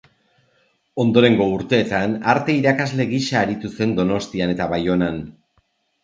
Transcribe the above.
Ondorengo urteetan arte irakasle gisa aritu zen Donostian eta Baionan.